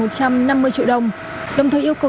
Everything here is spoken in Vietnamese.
một trăm năm mươi triệu đồng đồng thời yêu cầu